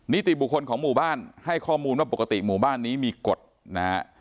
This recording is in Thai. นิติบุคคลของหมู่บ้านให้ข้อมูลว่าปกติหมู่บ้านนี้มีกฎนะฮะ